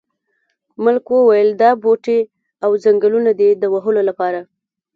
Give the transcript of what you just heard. ملک وویل دا بوټي او ځنګلونه دي د وهلو لپاره.